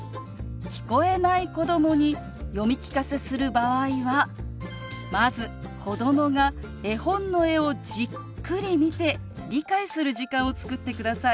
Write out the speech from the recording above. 聞こえない子どもに読み聞かせする場合はまず子どもが絵本の絵をじっくり見て理解する時間を作ってください。